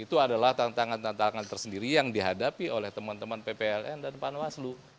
itu adalah tantangan tantangan tersendiri yang dihadapi oleh teman teman ppln dan panwaslu